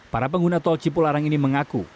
para pengguna tol cipularang ini mengaku